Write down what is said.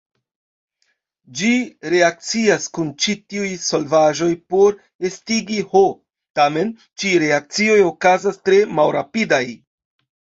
Ĝi reakcias kun ĉi-tiuj solvaĵoj por estigi H, tamen, ĉi-reakcioj okazas tre malrapidaj.